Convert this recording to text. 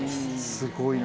すごいな。